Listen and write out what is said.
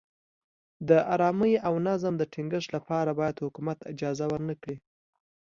د ارامۍ او نظم د ټینګښت لپاره باید حکومت اجازه ورنه کړي.